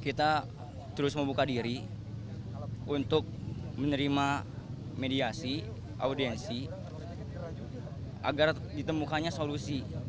kita terus membuka diri untuk menerima mediasi audiensi agar ditemukannya solusi